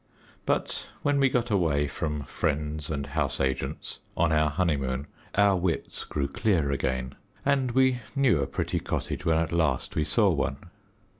But when we got away from friends and house agents, on our honeymoon, our wits grew clear again, and we knew a pretty cottage when at last we saw one.